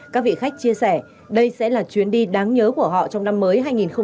các vị khách chia sẻ đây sẽ là chuyến đi đáng nhớ của họ trong năm mới hai nghìn hai mươi